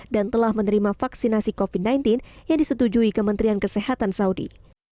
dan telah menerima vaksinasi covid sembilan belas yang disetujui kementerian kesehatan saudi